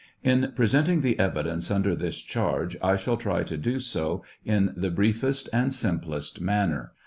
In presenting the evidence under this charge, I shall try to do so in the TRIAL OF HENRY WIRZ. 783 briefest and simplest manner.